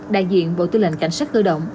đại diện bộ tư lệnh cảnh sát cơ động